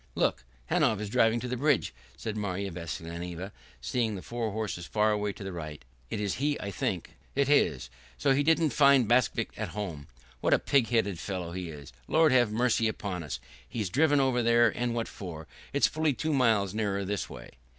"Look, Hanov is driving to the bridge," said Marya Vassilyevna, seeing the four horses far away to the right. "It is he, I think." "It is. So he didn't find Bakvist at home. What a pig headed fellow he is. Lord have mercy upon us! He's driven over there, and what for? It's fully two miles nearer this way."